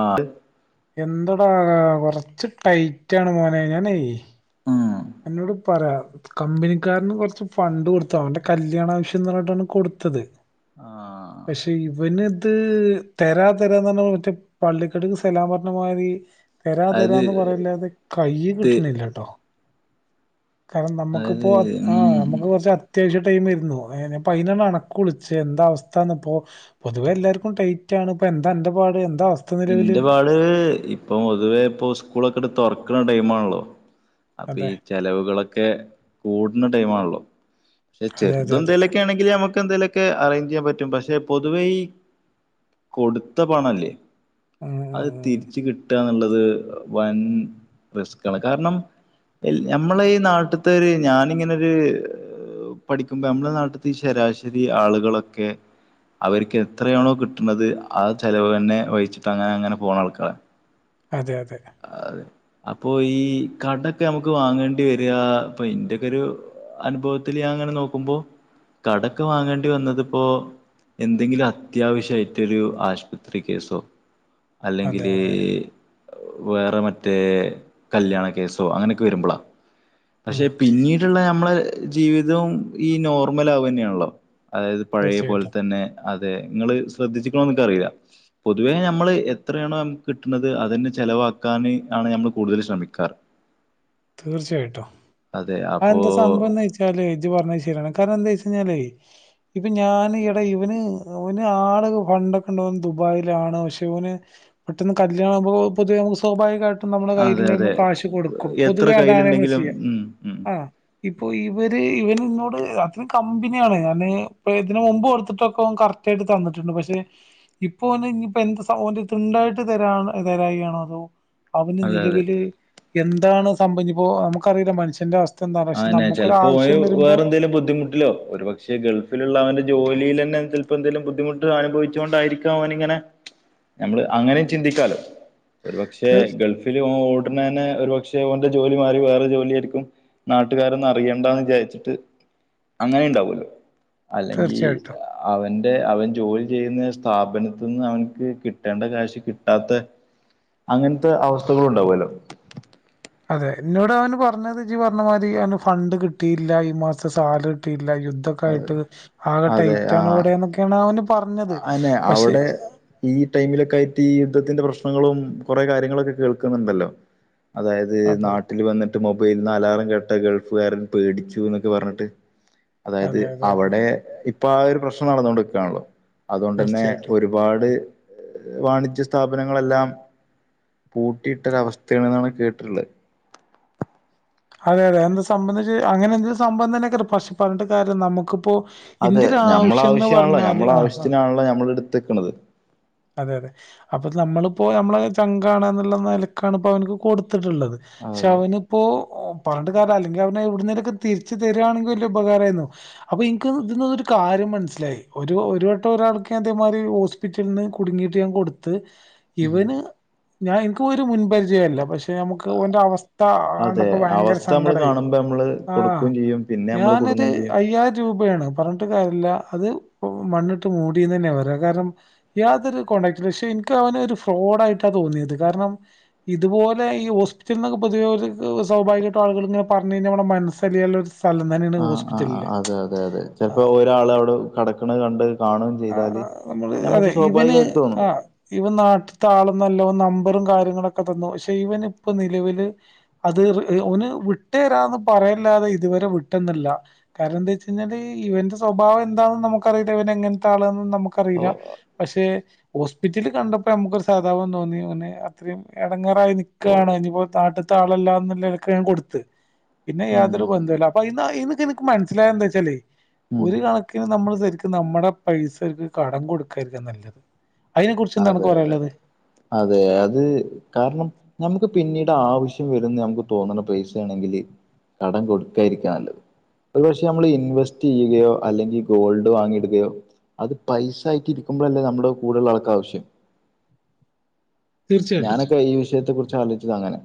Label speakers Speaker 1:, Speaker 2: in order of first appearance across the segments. Speaker 1: ആഹ
Speaker 2: എന്തടാ കൊറച്ച് ടൈറ്റ ആണ് മോനെ ഞാനേ
Speaker 1: മ്മ്ഹ്
Speaker 2: എന്നോട് പറ കമ്പനിക്കാരന് കുറച്ച് ഫണ്ട് കൊടുത്ത അവന്റെ കല്യാണ ആവശ്യം എന്ന് പറഞ്ഞിട്ടാണ് കൊടുത്തത്
Speaker 1: ആഹ
Speaker 2: പക്ഷെ ഇവന് ഇത് തരാ തരാന്ന്പറഞ്ഞ മറ്റേ പള്ളിക്കടുക്ക് സെലാം പറഞ്ഞ മാതിരി തരാ
Speaker 1: അത്
Speaker 2: തരാന്ന് പറല്ലാതെ കൈ
Speaker 1: ത്
Speaker 2: കിട്ടണില്ലട്ടോ കാരണം നമ്മുക്ക്പ്പോ
Speaker 1: അത്
Speaker 2: ആ
Speaker 1: ഉം
Speaker 2: നമ്മുക്ക് കുറച്ച അത് അത്യാവശ്യ ടൈംമായിരുന്നു എ അപ്പൊ അയിനൊണ്ടാണ് അണക്ക് വിളിച്ചെ എന്ത അവസ്ഥാന്നപ്പോ പൊതുവെ എല്ലാർക്കും ടൈറ്റാണ്പ്പൊന്താ അന്റെപാട് എന്താ അവസ്
Speaker 1: എന്റെ പാട് ഇപ്പൊ പൊതുവേ ഇപ്പൊ സ്കൂളൊക്കെ അങ്ങട് തുറക്കണ ടൈമാണല്ലോ അപ്പൊ
Speaker 2: അതെ
Speaker 1: ഈ ചെലവുകളൊക്കെ കൂടുന്ന ടൈമാണല്ലോ പക്ഷെ
Speaker 2: അതെ
Speaker 1: ചെറുത
Speaker 2: അതെ അതെ
Speaker 1: എന്തേലൊക്കെ ആണെങ്ക നമുക്ക് എന്തെലുമൊക്കെ അറേഞ്ച് ചെയ്യാൻ പറ്റും പക്ഷെ പൊതുവെഈ കൊടുത്ത പണം അല്ലേ
Speaker 2: ഉം ഉം
Speaker 1: അത്
Speaker 2: ഉം.
Speaker 1: തിരിച്ച കിട്ടുകന്നുള്ളത് വൻ റിസ്ക് ആണ് കാരണം ഞമ്മളെ ഈ നാട്ടത്തര് ഞാനിങ്ങനെരു പഠിക്കുമ്പോ നമ്മളുടെ നാട്ടിൽ ശരാശരി ആളുകളൊക്കെ അവർക്ക് എത്രയാണോ കിട്ടണത് ആ ചെലവ് തന്നെ വഹിച്ചിട്ട അ അങ്ങനെങ്ങനെ പോണ ആൾക്കാരെ
Speaker 2: അതെ അതെ
Speaker 1: അതെ അപ്പൊ ഈ കടൊക്കെ നമുക്ക് വാങ്ങണ്ടി വരിക ഇപ്പൊ ഇന്റൊക്കൊരു അനുഭവത്തിൽ ഞാൻ അങ്ങനെ നോക്കുമ്പോ കടക്ക് വാങ്ങണ്ടി വന്നതിപ്പോ എന്തെങ്കിലും അത്യാവശ്യായിട്ടൊരു ആശ്പത്രി കേസോ
Speaker 2: അതെ
Speaker 1: അല്ലെങ്കില്
Speaker 2: അതെ.
Speaker 1: വേറെ മറ്റേ കല്യാണ കേസോ അങ്ങനൊക്കെ വരുമ്പളാ
Speaker 2: ഉം.
Speaker 1: പക്ഷെ പിന്നീട്ള്ള നമ്മളെ ജീവിതവും ഈ നോർമൽ ആവുതന്നെയാണല്ലോ അതായത് പഴയ പോലെ
Speaker 2: തീർച്ചയായിട്ടും,
Speaker 1: തന്നെ അതായത് പഴേ പോൽതന്നെ അതെ നിങ്ങൾ ശ്രദ്ധിച്ചിക്കണോന്ന് ഇക്ക് അറിയില്ല പൊതുവേ ഞ നമ്മള് എത്രയാണോ നമുക്ക് കിട്ടുന്നത് അതങ്ങ് ചെിലവാക്കാന് ആണ് നമ്മള് കൂടുതൽ ശ്രമിക്കാറ്
Speaker 2: തീർച്ചയായിട്ടും
Speaker 1: അതെ
Speaker 2: അ
Speaker 1: അപ്പോ
Speaker 2: എന്താ സംഭവംന്ന് വച്ച അല്ലേ ഇജ്ജ് പറഞ്ഞത് ശരിയാണ് കാരണം എന്താ വെച്ച് കഴിഞ്ഞാല് ഇപ്പൊ ഞാൻ ഇടെ ഇവന് ഓന് ആള് ഫണ്ടൊക്കെണ്ടൻ ദുബായിലാണ് പക്ഷെ ഇവന് പെട്ടന്ന് കല്യാണാവുമ്പോ പൊതുവെ സ്വാഭാവികായിട്ടും നമ്മുടെ
Speaker 1: അതെ അതെ
Speaker 2: കയ്യിലുണ്ടാർന്ന കാശ് കൊടുക്കും അത്
Speaker 1: എത്ര
Speaker 2: അതാണ് നമ്മൾ
Speaker 1: കയ്യിലുണ്ടെങ്കിലും
Speaker 2: ചെയ്യാ
Speaker 1: ഉം ഉം
Speaker 2: ആ ഇപ്പൊ ഇവര് ഇവന് ഇന്നോട് അതിന് കമ്പ്ന്യാണ് ഞാൻ ഇപ്പ ഇതിന് മുമ്പ് കൊടുത്ത്ട്ടൊക്കെ ഓൻ കറ ക്ടായ്ട്ട് തന്നിട്ട്ണ്ട് പഷെ ഇപ്പൊ ഓന് ഇഞ്ഞ്പ്പാെ എന്ത‌ സ ഓന്റെട്ത് ണ്ടായ്ട്ട് തരാ തരായ്‌കയാണോ അതോ അവന്
Speaker 1: അതെ അതെ
Speaker 2: നിലവില് എന്താണ് സംഭവഞ്ഞിപ്പോ നമുക്കറീലാ മനുഷ്യന്റെ അവസ്
Speaker 1: ആന്നെ ചെൽപ്പോ ഓന് വേറെന്തേലും ബുദ്ധിമുട്ടിലോ ഒരുപക് ക്ഷേ പക്ഷെ ഗൾഫിലുള്ള അവന് ജോലിയിലെന്നെ ചെൽപ്പോ ന്തെലും ബുദ്ധിമുട്ട് അനുഭവിച്ചു കൊണ്ടായിരിക്കാം അവൻ ഇങ്ങനെ നമ്മള് അങ്ങനെയു ചിന്തിക്കാലോ ഒരു പക്ഷെ
Speaker 2: തീർ
Speaker 1: ഗൾഫില് ഓ ഓടുന്നെന്നെ ഒരുപക്ഷെ ഓന്റെ ജോലി മാറി വേറെ ജോലിയേരിക്കും നാട്ട്കാരൊന്നു അറിയണ്ടാന്ന് വിചാരിച്ചിട്ട് അങ്ങനെ ഇണ്ടാവല്ലോ അല്ലെങ്കിൽ സ
Speaker 2: തീർച്ചയായിട്ടും
Speaker 1: അവന്റെ അവൻ ജോലി ചെയ്യുന്ന സ്ഥാപനത്ത്ന്ന് അവൻക്ക് കിട്ടേണ്ട കാശ് കിട്ടാത്ത അങ്ങനത്തെ അവസ്ഥകളുണ്ടാവുല്ലോ
Speaker 2: അതെ ഇന്നോട് അവന് പറഞ്ഞത് ഇജ്ജ് പറഞ്ഞമാതിരി അവന് ഫണ്ട് കിട്ടിയില്ല ഈ മാസതെ സാലറി കിട്ടിയില്ല യുദ്ധ
Speaker 1: അതെ
Speaker 2: ക്കായിട്ട് ആകെ
Speaker 1: അതെ ആ
Speaker 2: ടൈറ്റാണ് ഇവിടെന്നൊക്കെയാണ് അവന് പറഞ്ഞത്
Speaker 1: അനെ
Speaker 2: പക്ഷെ
Speaker 1: അവിടെ ഈ ടൈമിലൊക്കായിട്ട് ഈ യുദ്ധത്തിന്റെ പ്രശ്നങ്ങളും കുറേ കാര്യങ്ങളൊക്കെ കേൾക്കുന്നുണ്ടല്ലോ അതായത്
Speaker 2: അതെ
Speaker 1: നാട്ടില് വന്നിട്ട് മൊബൈൽന്ന് അലാറം കേട്ട ഗൾഫുകാരൻ പേടിച്ചു എന്നൊക്കെ പറഞ്ഞിട്ട് അതായത്
Speaker 2: അതെ അതെ അതെ
Speaker 1: അവിടെ ഇപ്പൊ ആ ഒരു പ്രശ്നം നടന്നോണ്ട്ക്കാണല്ലോ അതുകൊണ്ടെന്നെ
Speaker 2: തീർച്ചയായിട്ടും
Speaker 1: ഒരുപാട് വാണിജ്യ സ്ഥാപനങ്ങളെല്ലാം പൂട്ടിയിട്ടൊരവസ്ഥയാണെന്നാണ് കേട്ടിട്ട്ള്ളത്
Speaker 2: അതെ അതെ അഎന്താ സംഭവന്നെച്ച അങ്ങനെന്തൊ സംഭവം തന്നെയെക്കറി പക്ഷെ പറഞ്ട്ട് കാര്യല്ല നമുക്കിപ്പോ
Speaker 1: അതെ
Speaker 2: ഇന്റൊരു
Speaker 1: ഞമ്മള
Speaker 2: ആവശ്യംന്ന്
Speaker 1: ആവശ്യാണല്ലോ
Speaker 2: പറഞ്ഞാല്
Speaker 1: ഞമ്മളെ
Speaker 2: ആ ആ
Speaker 1: ആവശ്യത്തിനാണല്ലോ ഞമ്മൾ എടുത്തെക്ക്ണത്
Speaker 2: അതെ അതെ അപ്പൊ നമ്മളിപ്പോ ഞമ്മളെ ചങ്കാണ്ന്ന്ള്ള നെലക്കാണ് ഇപ്പോ അവനിക്ക് കൊടുത്തിട്ട്ള്ളത് പക്ഷെ
Speaker 1: അതെ
Speaker 2: അവനിപ്പോ പറഞ്ട്ട് കാര്യല അല്ലെങ്കി അവനെവിടുന്നേലൊക്കെ തിരിച്ച് തരുവാണെങ്കിൽ വലിയ ഉപകാരേനു അപ്പൊ ഇൻക്ക് ഇതിന്ന് ഒരു കാര്യം മനസ്സിലായി ഒരു ഒരു വട്ടം ഒരാൾക്ക് ഞാനിതേമാതിരി ഹോസ്പിറ്റൽന്ന് കുടുങ്ങിട്ട് ഞാൻ കൊടുത്ത്
Speaker 1: ഉം
Speaker 2: ഇവന് ഞാൻ ഇൻക്ക് ഒരു മുൻപരിചയൊല്ല പക്ഷെ എ നമുക്ക് ഓന്റെ അവസ്ഥ
Speaker 1: അതെ
Speaker 2: കണ്ടപ്പോ ഭയങ്കര
Speaker 1: അവസ്ഥ നമ്മള്
Speaker 2: സങ്കടായി
Speaker 1: കാണുമ്പോ നമ്മള്
Speaker 2: ആഹ്
Speaker 1: കൊടുക്കുകയും ചെയ്യും പിന്നെ നമ്മള്
Speaker 2: ഞാനത്
Speaker 1: കുടുങ്ങുകയും ചെയ്യും
Speaker 2: അയ്യായിരൂപയാണ് പറഞ്ഞിട്ട് കാര്യല്ല അത് മണ്ണിട്ട് മൂടീന്നെന്നെ പറയാ കാരണം യാതൊരു കോണ്ടാക്റ്റുല്ല വശെ ഇൻക്ക് അവനൊരു ഫ്രോഡായിട്ടാ തോന്നിയത് കാരണം ഇതുപോലെ ഈ ഹോസ്പിറ്റൽന്നൊക്ക പൊതുവെ ഓര്ക്ക് സ്വാഭാവികായിട്ടു ആള്കൾ ഇങ്ങനെ പറഞ്ഞയിഞ്ഞാ നമ്മുടെ മനസ്സലിയല്ലോ-
Speaker 1: ആഹ ആഹ ആഹ അതെ അതെ അതെ
Speaker 2: ആ
Speaker 1: ചെൽപ്പൊ ഒരാള് അവിടെ കെടക്കണ കണ്ട് കാണുകയും
Speaker 2: ആ
Speaker 1: ചെയ്താല്
Speaker 2: നമ്മള് അതെ
Speaker 1: നമുക്ക്
Speaker 2: ഇവന്
Speaker 1: സ്വാഭാവികമായിട്ട് തോന്നും
Speaker 2: ആ ഇവൻ നാട്ടത്താളൊന്നെല്ല ഓൻ നമ്പറും കാര്യങ്ങളൊക്കെ തന്നു പക്ഷെ ഇവൻ ഇപ്പൊ നിലവില് അത് ഓന് വിട്ടെരാന്ന് പറയല്ലാതെ ഇതുവരെ വിട്ടെന്ന്ല്ലാ കാര്ണം എന്താ വെച്ച് കയ്ഞ്ഞാല് ഇവന്റെ സ്വഭാവം എന്താണ്ന്ന് നമുക്കറീലാ ഇവനെങ്ങെൻ ത്താളാന്നൊന്നും
Speaker 1: ഓ
Speaker 2: നമുക്കറീലാ പക്ഷെ ഹോസ്പിറ്റൽല് കണ്ടപ്പോ നമുക്കാെര് സഹതാപം തോന്നി ഓന് അത്രയും എടങ്ങേറായ്
Speaker 1: ഓ
Speaker 2: നിക്കാണ് ഇനിപ്പോ താട്ട് താളല്ലാന്ന്ല്ലെൽക്ക് ഞാൻ കൊട്ത്ത് പിന്നെ യാതൊരു
Speaker 1: ഉം
Speaker 2: ബന്ധുല്ലാ അപ്പൊ അയ്ന്ന് അയന്നൊക്കെ ഇന്ക്ക് മനസ്സ്ലായെന്താച്ചാല്
Speaker 1: ഉം
Speaker 2: ഒര് കണക്ക്ന് നമ്മള് സെര്ക്ക് നമ്മടെ പൈസാര്ക്ക് കടം കൊട്ക്കെര്ത്‌ന്നല്ല
Speaker 1: അതെ അതെ അതെ അതെ അത് കാര്ണം നമുക്ക് പിന്നീട് ആവശ്യം വരുംന്ന് നമുക്ക് തോന്ന്ണെ പൈസേണെങ്കില് കടം കൊട്ക്കായ്രിക്കാ നല്ലത് ഒര് പക്ഷെ അമ്മള് ഇൻവെസ്റ്റെയ്യുകയോ അല്ലെങ്കിൽ ഗോൾഡ് വാങ്ങിയിടുകയോ അത് പൈസായിട്ട് ഇരിക്കുമ്പളല്ലേ നമ്മ്ടെ കൂടെല്ലാൾക്കാവശ്യം
Speaker 2: തീർച്ചയായിട്ടും
Speaker 1: ഞാനൊക്കെ ഈ വിഷയത്തെ കുറിച്ചാലോയ്ച്ചത് അങ്ങനെ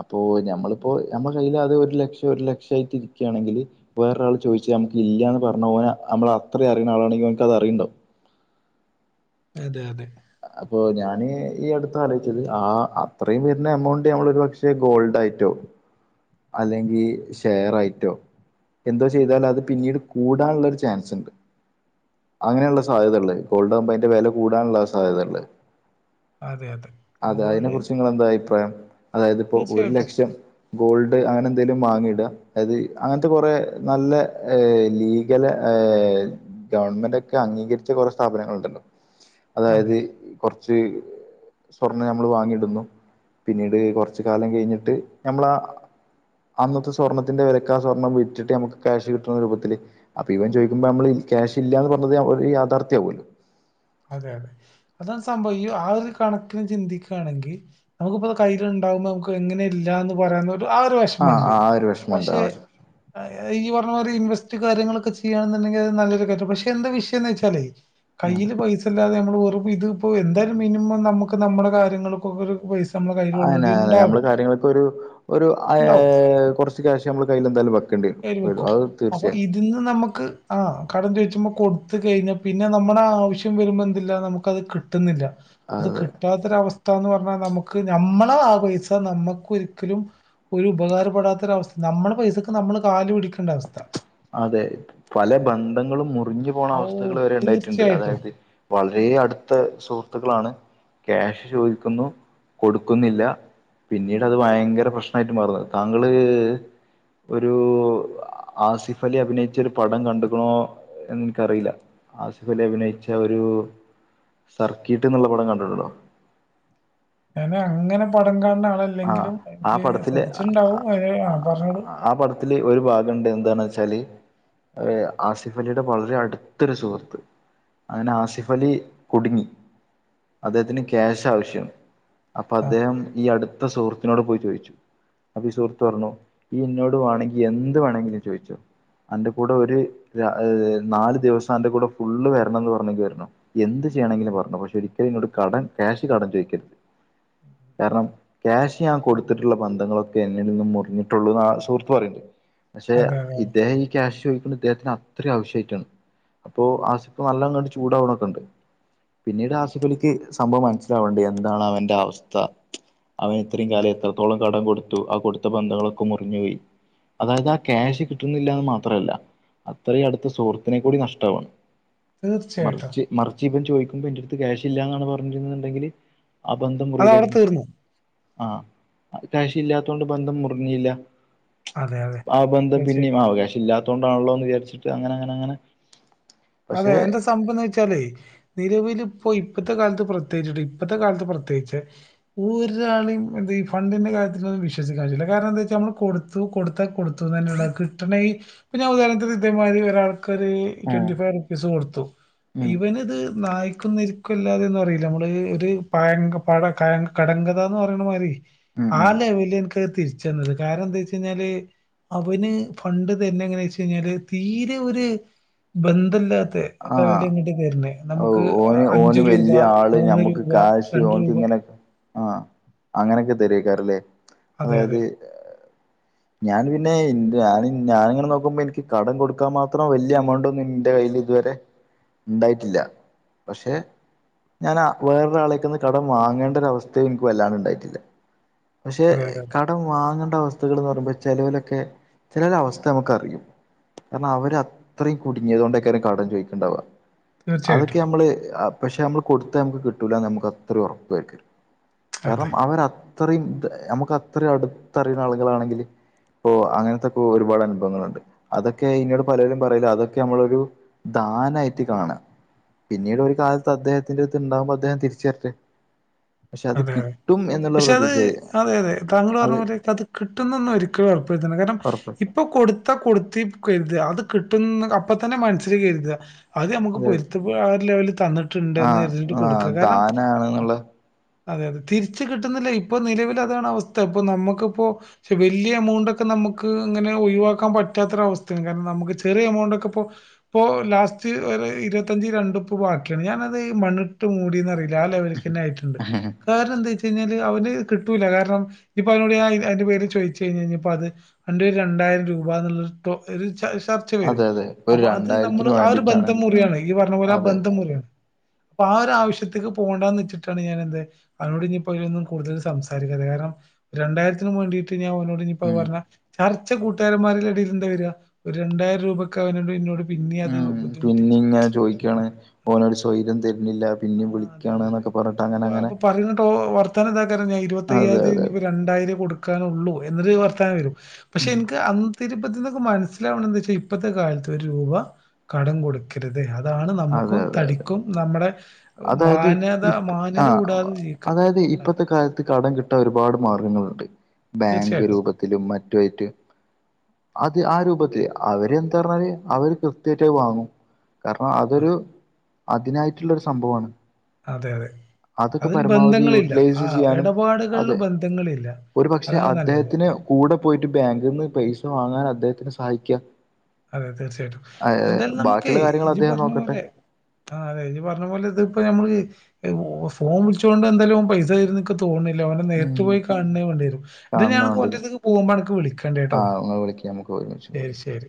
Speaker 1: അപ്പോ ഞമ്മള്പ്പോ ഞമ്മടെ കയ്യിലത് ഒര് ലക്ഷം ഒരു ലക്ഷായിട്ടിരിക്ക്യാണെങ്കില് വേറൊരാള് ചോയ്ച്ച് നമുക്ക് ഇല്ല്യാന്ന് പർഞ്ഞ ഓനെ നമ്മളെ അത്രിം അറീണാളാണെങ്കി ഓന്ക്കത് അറീണ്ടാവും
Speaker 2: അതെ അതെ
Speaker 1: അപ്പൊ ഞാന് ഈ അട്ത്താ ആലോയ്ച്ചത് ആ അത്രെയും വെര്ണ എമൗണ്ട് ഞമ്മളൊരു പക്ഷെ ഗോൾഡായ്ട്ടോ അല്ലെങ്കി ഷെയറായ്റ്റോ എന്തോ ചെയ്താലത് പിന്നീട് കൂടാൻള്ളാെരു ചാൻസ്ണ്ട് അങ്ങനെയ്ള്ള സാധ്യതണ്ട് ഗോൾഡാകുമ്പോ അയ്ന്റെ വെല കൂടാന്ള്ള സാധ്യതണ്ട്
Speaker 2: അതെ അതേ
Speaker 1: അതെ അയ്നെ കുറിച്ച് ങ്ങെളെന്താ അയ്പ്രായം അതായത്പ്പോ ഒരു
Speaker 2: തീർച്ചയായിട്ടും
Speaker 1: ലക്ഷം ഗോൾഡ് അങ്ങനെ എന്തേലും വാങ്ങിടാ അതായത് അങ്ങനത്തെ കൊറേ നല്ല ലീഗെലാ ഏഹ് ഗവൺമെന്റാെക്കെ അംഗീകരിച്ച കൊറേ സ്ഥാപനങ്ങള്ണ്ടല്ലോ
Speaker 2: അതെ
Speaker 1: അതായത് കൊർച്ച് സ്വർണം ഞമ്മള് വാങ്ങിയിട്ന്നു പിന്നീട് കൊർച്ച് കാലം കെയ്ഞ്ഞിട്ട് ഞമ്മളാ അന്നത്തെ സ്വർണ്ണത്തിന്റെ വെലക്ക് ആഹ് സ്വർണം വിറ്റിട്ട് നമുക്ക് ക്യാഷ് കിട്ട്ണ രൂപത്തില് അപ്പൊ ഇവൻ ചോയ്ക്ക്മ്പോ നമ്മളി ക്യാഷ് ഇല്ലാന്ന് പർഞ്ഞത് ഒര് യാഥാർത്ഥ്യാവേ
Speaker 2: അതെ അതെ അതാണ് സംഭവം ഇ ആ ഒരു കണക്ക്ന് ചിന്തിക്കാണെങ്കി നമുക്ക്പ്പോ കയ്യിൽണ്ടാവ്മ്പോ നമുക്ക് എങ്ങനെ ഇല്ലാന്ന് പറയാന്ന് ആഹ് ഒര് വെഷ്മണ്ട്
Speaker 1: ആ ഒരു വിഷമമുണ്ട് ആ
Speaker 2: പക്ഷേ
Speaker 1: ഒരു
Speaker 2: ഈ പർഞ്ഞ മാതിരി ഇൻവെസ്റ്റ് കാര്യങ്ങളൊക്കെ ചെയ്യാണെന്ന്ണ്ടെങ്കി അത് നല്ലൊരു കാര്യം പക്ഷെ എന്താ വിഷയംന്നെച്ചാലേ
Speaker 1: ഉം.
Speaker 2: കയ്യില് പൈസല്ലാതെ നമ്മള് വെറും ഇത് പ്പോ എന്തായാലും മിനിമം നമ്മ്ക്ക് നമ്മ്ടെ കാര്യങ്ങൾക്കൊക്കൊര് പൈസ്
Speaker 1: ആന്നെ അനെ നമ്മള് കാര്യങ്ങളൊക്കൊരു ഒരു
Speaker 2: ഉണ്ടാവും
Speaker 1: ഏഹ് കൊർച്ച് ക്യാഷ് ഞമ്മള് കയ്യിലെന്തായാലും വെക്കേണ്ട്യെരും അത് തീർച്ചയായും
Speaker 2: ഇന്ന് നമ്ക്ക് ആഹ് കടം ചോയ്ച്ചുമ്പം കൊട്ത്ത് കയ്ഞ്ഞാ പിന്നെ നമ്മടെ ആവശ്യ ശ്യം വര്മ്പെന്ത്ല്ലാ നമുക്കത് കിട്ട്ന്നില്ല അത്
Speaker 1: അതെ
Speaker 2: ക് റ്റാത്തൊരവസ്താന്ന് പർഞ്ഞാ നമുക്ക് ഞമ്മളെ ആ പൈസാ നമ്മക്കാെരിക്കലും ഒരു ഉപകാരപ്പെടാത്തൊരവസ് നമ്മടെ പൈസക്ക് നമ്മള് കാല് പിടിക്കണ്ടവസ്ഥ
Speaker 1: അതെ പല ബന്ധങ്ങളും മുറിഞ്ഞു പോണ
Speaker 2: ഓ
Speaker 1: അവസ്ഥകള് വരേണ്ടായിട്ട്ണ്ട്
Speaker 2: തീർച്ചയായിട്ടും
Speaker 1: അതായത് വളരേ അട്ത്ത സുഹൃത്തുക്കളാണ് ക്യാഷ് ചോദിക്ക്ന്നു കൊടുക്കുന്നില്ലാ പിന്നീടത് ഭയങ്കര പ്രശ്നായിട്ട് മാറും താങ്കള് ഒരു ആസിഫ് ഫലി അഭിനയിച്ചാെര് പടം കണ്ട്ക്ക്ണോ എന്ന് ഇൻക്കറീലാ ആസിഫ് അലി അഭിനയിച്ച ഒരു സർക്കീട്ട്ന്ന്ള്ള പടം കണ്ട്ട്ട്ണ്ടോ
Speaker 2: ഞൻ അങ്ങനെ പടം കാണ്‌ണ
Speaker 1: ആഹ്
Speaker 2: ആളെല്ലെങ്കിലും
Speaker 1: ആ പടത്തില്
Speaker 2: ശ്രദ്ധിച്ച്ട്ണ്ടാവും അയ്ന് ആഹ് പർഞ്ഞോളൂ
Speaker 1: ആ പടത്തില് ഒരു ഭാഗണ്ട് എന്താണച്ചാല് ആസിഫലിയുടെ വളരെ അടുത്തൊരു സുഹൃത്ത് അങ്ങനെ ആസിഫലി കുടുങ്ങി അദ്ദേഹത്തിന് ക്യാശ ആവശ്യ അപ്പൊ
Speaker 2: ആ
Speaker 1: അദ്ദേഹം ഈ അടുത്ത സുഹൃത്തിനോട് പോയി ചോയിച്ചു അപ്പൊ സുഹൃത്ത് പറഞ്ഞു ഈ ഇന്നോട് വേണെങ്കി എന്ത് വേണങ്കിലും ചോയിച്ചോ അന്റെ കൂടെ ഒരു നാല് ദിവസം അന്റെ കൂടെ ഫുള്ള് വരണംന്ന് പറഞ്ഞെങ്കി വരണം എന്ത് ചെയ്യണങ്കിലും പറഞ്ഞോ പക്ഷെ ഒരിക്കലും ഇന്നോട് കടൻ കാഷ് കടം ചോയിക്കരുത് കാരണം ക്യാഷ് ഞാൻ കൊടുത്തിട്ടുള്ള ബന്ധങ്ങളൊക്കെ എന്നിൽ നിന്നും മുറിഞ്ഞിട്ടുള്ളൂ എന്ന സുഹൃത്ത് പറയണ്ട് പക്ഷെ
Speaker 2: അതെ അതെ
Speaker 1: ഇദ്ദേഹം ഈ ക്യാഷ് ചോയിക്കണത് ഇദ്ദേഹത്തിന് അത്രയും ആവശ്യായിട്ടാണ് അപ്പൊ ആസിപ്പ നല്ല അടുച്ച ചൂടാവണൊക്കെണ്ട് പിന്നീട് ആസിഫലിക്ക് സംഭവം മനസ്സിലാവ്ണ്ട് എന്താണ് അവന്റെ അവസ്ഥ അവൻ ഇത്രയും കാലം എത്രത്തോളം കടം കൊടുത്തു ആ കൊടുത്ത ബന്ധങ്ങളൊക്കെ മുറിഞ്ഞോയി അതായത് ആ ക്യാഷ് കിട്ടുന്നില്ലാന്ന് മാത്രല്ല അത്രയും അടുത്ത് സുഹൃത്തിനെ കൂടി നഷ്ടവാണ്
Speaker 2: തീർച്ചയായിട്ടും
Speaker 1: മറിച്ച് മറിച്ച് ഇപ്പം ചോയിക്കുമ്പോ എന്റെ അടുത്ത് ക്യാഷ് ഇല്ലന്നാണ് പറഞ്ഞിരന്ന്ണ്ടെങ്കില് ആ ബന്ധം
Speaker 2: അത് അവിടെ
Speaker 1: മുറിലേര്ന്നു
Speaker 2: തീർന്നു
Speaker 1: ആ കാഷ് ഇല്ലാത്തൊണ്ട് ബന്ധം മുറിഞ്ഞില്ല
Speaker 2: അതെ അതെ
Speaker 1: ആ ബന്ധം
Speaker 2: തീർച്ചയായിട്ടും
Speaker 1: പിന്നെ കാശ് ഇല്ലാത്തൊണ്ടാണല്ലോ എന്ന് വിചാരിച്ചിട്ട് അങ്ങനെ അങ്ങനെ അങ്ങനെ
Speaker 2: അതെ
Speaker 1: പക്ഷെ
Speaker 2: എന്താ സംഭവംന്ന് വെച്ചാല് നിലവിലിപ്പോ ഇപ്പഴത്തെ കാലത്ത് പ്രത്യേകിച് ഇപ്പഴത്തെ കാലത്ത് പ്രത്യേകിച്ച് ഒരാളീം എന്താ ഈ ഫണ്ടിന്റെ കാര്ത്തിൽ വിശ്വസിക്കാ പറ്റൂല്ല കാരണം എന്താച്ചാ നമ്മള് കൊടു കൊടുത്താ കൊടുത്തു തന്നെ കിട്ടണ പിന്നെ ഉദാഹരണത്തിന് ഇതേമാതിരി ഒരാൾക്കരു
Speaker 1: ഉം
Speaker 2: ട്വന്റി പെ റുപ്പീസ് കൊടുത്തു
Speaker 1: ഉം
Speaker 2: ഇവൻ ഇത് നായ്ക്കുന്നരിക്കുംല്ലാതെന്ന് പറയില്ലേ നമ്മള് ഒരു പഴ പഴ കഴ കടങ്കത എന്ന് പറയുന്ന മാരി
Speaker 1: ഉം ഉം
Speaker 2: ആല്ലെവല് തിരിച്ചെന്നത് കാരണം എന്താ വെച്ച് കഴിഞ്ഞാല് അവന് ഫണ്ട് താര്ന്നെ എങ്ങനാ വെച്ച് കഴിഞ്ഞാൽ തീരെ ഒര് ബന്ധല്ലാത്തെ
Speaker 1: ആഹ്
Speaker 2: ലെവല്ങ്ങിട്ട് തരണേ നമുക്ക്
Speaker 1: ഓന് ഓന്
Speaker 2: അഞ്ചു രൂപ
Speaker 1: വല്യ ആള്
Speaker 2: മൂന്ന് രൂപ രണ്ട് രൂപ
Speaker 1: ആ അങ്ങനെക്കെ തരക്കാരല്ലേ
Speaker 2: അതെ അതെ
Speaker 1: അതായത് ഞാൻ പിന്നെ ഞ ഞാനിങ്ങനെ നോക്കുമ്പോ എനിക്ക് കടം കൊടുക്കാൻ മാത്രം വലിയ എമൗണ്ട് ഒന്നും ഇന്റെ കയ്യില് ഇതുവരെ ഇണ്ടായിട്ടില്ല പക്ഷെ ഞാൻ വേറൊരാളേക്കന്ന് കടം വാങ്ങേണ്ടരവസ്ഥയും എനിക്ക് വല്ലാണ്ട് ഇണ്ടായിട്ടില്ല പക്ഷെ
Speaker 2: അതെ അതെ അതെ.
Speaker 1: കടം വാങ്ങേണ്ട അവസ്ഥകൾന്ന് പറയുമ്പോ ചേലോ ലൊക്കെ ചില അവസ്ഥ നമുക്ക് അറിയും കാരണം അവര് അത്രയും കുടുങ്ങിയത കൊണ്ടേക്കാരം കടം ചോയ്ക്കിണ്ടവ അതൊക്കെ
Speaker 2: തീർച്ചയായിട്ടും
Speaker 1: അമ്മള് പക്ഷെ അമ്മള് കൊടുത്ത നമുക്ക് കിട്ടൂലന്ന് നമുക്ക് അത്രയും ഉറപ്പേക്കാരം
Speaker 2: അതെ
Speaker 1: കാരണം അവര് അത്ര അതൃയിം നമുക്ക് അത്രയും അടുത്തറിയുന്ന ആളുകളൾാണെങ്കി ഇപ്പോ അങ്ങനത്തെൊക്കെ ഒരുപാട് അനുഭവങ്ങള്ണ്ട് അതൊക്കെ ഇന്നോട് പലരും പറയല് അതൊക്കെ നമ്മളൊരു ദാന ആയിട്ട് കാണാ പിന്നീട് ഒരു കാലത്ത് അദ്ദേഹത്തിന്റെ അടുത്ത് ഉണ്ടാവുമ്പോ അദ്ദേഹം തിരിച്ചരട്ടെ പക്ഷെ അത്
Speaker 2: അതെ അതെ
Speaker 1: കിട്ടും എന്നുള്ള
Speaker 2: പക്ഷെ അത്
Speaker 1: പ്രതീക്ഷയായി
Speaker 2: അതെ അതെ താങ്കൾ പറഞ്ഞ പോലെ അത് കിട്ടുന്നന്നും ഒരിക്കലും ഉറപ്പ് വരുത്തണ്ട കാരണം ഇ
Speaker 1: ഉറപ്പ്
Speaker 2: ഇപ്പൊ കൊടുത്താ കൊടുത്തി കരുത അത് കിട്ടുന്ന അപ്പൊ തന്നെ മനസ്സില് കരുത അത് നമുക്ക് പൊരുത്ത ആ ഒരു ലെവലിൽ തന്നിട്ടുണ്ട് എന്ന്
Speaker 1: ആഹ്
Speaker 2: കരുതിട്ട്
Speaker 1: ആഹ്
Speaker 2: കൊടുക്ക കാരണം
Speaker 1: ദാനാണെന്നുള്ള
Speaker 2: അതെ അതെ തിരിച്ച കിട്ടുന്നില്ല ഇപ്പൊ നിലവില് അതാണ് അവസ്ഥ ഇപ്പൊ നമ്മുക്കിപ്പോ പക്ഷെ വലിയ എമൗണ്ട്ക്കെ നമുക്ക് ഇങ്ങനെ ഒഴിവാക്കാൻ പറ്റാത്തൊരവസ്ഥയാണ് കാരണം നമുക്ക് ചെറിയ എമൗണ്ട് ഒക്കെ ഇപ്പോ ഇപ്പോ ലാസ്റ്റ് ഒരു ഇരുപത്തഞ്ച് രണ്ടുപ്പ ബാക്കിയാണ് ഞാനത് മണ്ണിട്ട് മൂടന്ന്റിയിലേ ആ ലെവലിൽ ക്കന്നെ ആയിട്ട്ണ്ട് കാരണം എന്താ വെച്ച് കഴിഞ്ഞാല് അവന് കിട്ടൂല്ല കാരണം ഇപ്പ അവതിനോട് അയിന്റെ പേര് ചോയിച്ചഴിഞ്ഞാ കഴിഞ്ഞപ്പ അത് അന്റെ ഒരു രണ്ടായിരം രൂപ എന്നുള്ള പ്പ ഒര് ച ശ
Speaker 1: അതെ
Speaker 2: ചവരും
Speaker 1: അതെ ഒരു
Speaker 2: അപ്പൊ അത്
Speaker 1: രണ്ടായിരത്തിന്
Speaker 2: നമ്മള് ആ ഒരു
Speaker 1: വേണ്ടിട്ടാണ്
Speaker 2: ബന്ധം മുറിയാണ് യ് പറഞ്ഞ പോലെ ആ
Speaker 1: അതെ അതെ
Speaker 2: ബന്ധം മുറിയാണ് പ്പാ ആ ഒരു ആവശ്യത്തേക്ക് പോകണ്ടന്ന് വെച്ചിട്ടാണ് ഞാന എന്ത്‌ അവനോട് ഇനി പലൊന്നും കൂടുതൽ സംസാരിക്കണ്ട കാരണം ഒരു രണ്ടായിരത്തിന് വേണ്ടിട്ട് ഞാൻ അവനോട്
Speaker 1: ഉം
Speaker 2: പറഞ്ഞ ചർച്ച കൂട്ടുകാരന്മാരിൽ ഇടയിൽന്താ വരിക ഒരു രണ്ടായിരം രൂപക്കെ അവനോട് പിന്നെ അത്
Speaker 1: ഉം പിന്നെ
Speaker 2: ബുദ്ധിമുട്ടിച്ചു
Speaker 1: ഇങ്ങനെ ചോദിക്കാണ് ഓനൊരു സ്വൈര്യം തരുന്നില്ല
Speaker 2: ആ
Speaker 1: പിന്നെയും
Speaker 2: അതെ
Speaker 1: വിളിക്കാണ്
Speaker 2: അതെ അതെ
Speaker 1: എന്നൊക്കെ പറഞ്ഞിട്ട് അങ്ങനെ അങ്ങനെ
Speaker 2: അപ്പൊ പറയനുണ്ട് വർത്താനം എന്താക്കഞ്ഞാൽ
Speaker 1: അതെ
Speaker 2: ഇരുപത്തയ്യായിരം
Speaker 1: അതെ അതെ
Speaker 2: ഇനിപ്പോൾ രണ്ടായിരം കൊടുക്കാനുള്ളൂ എന്നൊരു വർത്താനം വരും പക്ഷെ
Speaker 1: ഉം
Speaker 2: എനിക്ക് അന്ന്രുപ്പത്തി നിക്കക്ക് മനസ്സിലാവണം എന്ത വെച്ചാൽ ഇപ്പഴത്തെ കാലത്ത് ഒരു രൂപ കടം കൊടുക്കും രുത് അതാണ്
Speaker 1: അതെ
Speaker 2: നമുക്കും
Speaker 1: അതെ അതെ
Speaker 2: തടിക്കും നമ്മുടെ
Speaker 1: അതായത്
Speaker 2: മാന്യത
Speaker 1: ഇപ്പ
Speaker 2: മാന്യത
Speaker 1: ആഹ്
Speaker 2: കൂടാതെ ജീവിക്കാൻ
Speaker 1: അതായത്
Speaker 2: അതെ
Speaker 1: ഇപ്പോഴത്തെ കാലത്ത് കടം കിട്ടാൻ ഒരുപാട് മാർഗ്ഗങ്ങളുണ്ട് ബാങ്ക്
Speaker 2: തീർച്ചയായിട്ടും
Speaker 1: രൂപ ത്തിലും മറ്റുമായിട്ട് അത് ആ രൂപത്തില് അവര് എന്താ പറഞ്ഞാല് അവര് കൃത്യമായിട്ട വാങ്ങും അപ്പൊ
Speaker 2: ആ
Speaker 1: അതൊരു അതിനായിട്ടുള്ളരു സംഭവമാണ്
Speaker 2: അതെ അതെ
Speaker 1: അതൊക്കെ
Speaker 2: അതിൽ
Speaker 1: പരമാവധി
Speaker 2: ബന്ധങ്ങളില്ല ആ
Speaker 1: യൂട്ടിലൈസ് ചെയ്യാനും
Speaker 2: ഇടപാടുകളില്
Speaker 1: അതെ
Speaker 2: ബന്ധങ്ങളില്ല
Speaker 1: ഒരു പക്ഷെ
Speaker 2: അതാണ് നല്ലത്
Speaker 1: അദ്ദേഹത്തിന് കൂടെ പോയിട്ട് ബാങ്കിൽ നിന്ന് പൈസ വാങ്ങാൻ അദ്ദേഹത്തിന് സഹായിക്കുക
Speaker 2: അതെ തീർച്ചയായിട്ടും
Speaker 1: ആഹ്
Speaker 2: എന്തായാലും
Speaker 1: ബാക്കിയുള്ള കാര്യങ്ങൾ
Speaker 2: നമുക്ക്ജി
Speaker 1: അദ്ദേഹം
Speaker 2: പറഞ്ഞ
Speaker 1: നോക്കട്ടെ
Speaker 2: പോലെ ആഹ അതെ ഇനിഞ് പറഞ്ഞ പോലെ ഇത് ഇപ്പൊ നമ്മള് ഫോൺ വിളിച്ചൊണ്ട് എന്തായാല പൈസ തരുന്നു തോന്നുന്നില്ല അവനെ നേരിട്ട
Speaker 1: ഉം
Speaker 2: പോയി കാണേ വേണ്ടി
Speaker 1: കാണണം വേണ്ടത്
Speaker 2: വര പോകുമ്പോ എനിക്ക് വിളിക്കേണ്ട കേട്ടോ
Speaker 1: ആ വിളിക്ക നമുക്ക് ഒരുമിച്ചു
Speaker 2: ശരി ശരി